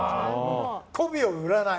こびを売らない。